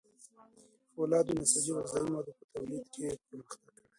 د فولادو، نساجي او غذايي موادو په تولید کې یې پرمختګ کړی.